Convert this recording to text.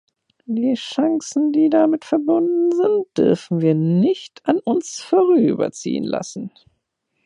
Die Chancen, die damit verbunden sind, dürfen wir nicht an uns vorüberziehen lassen.